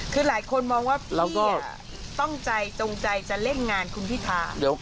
คือหลายคนมองว่าตั้งใจจงใจจะเล่นงานคุณพิธา